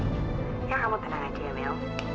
ya kamu tenang aja ya mil